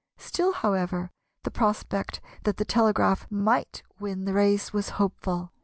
Still, however, the prospect that the telegraph might win the race was hopeful.